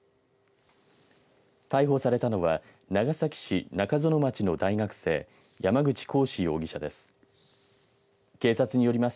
逮捕されたのは長崎市中園町の大学生山口鴻志容疑者です。